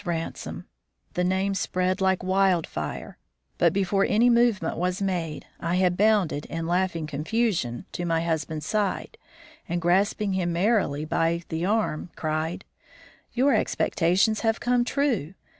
Ransome! The name spread like wildfire, but before any movement was made, I had bounded, in laughing confusion, to my husband's side, and, grasping him merrily by the arm, cried: "Your expectations have come true.